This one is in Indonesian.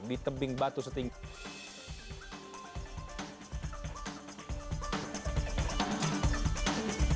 di tebing batu setinggi